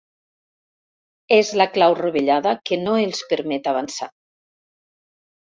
És la clau rovellada que no els permet avançar.